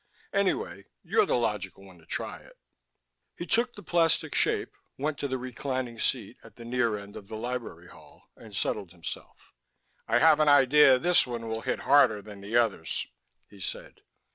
"Anyway you're the logical one to try it." He took the plastic shape, went to the reclining seat at the near end of the library hall, and settled himself. "I have an idea this one will hit harder than the others," he said.